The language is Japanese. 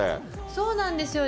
そうなんですよ。